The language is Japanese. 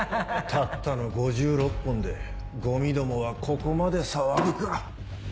たったの５６本でゴミどもはここまで騒ぐか。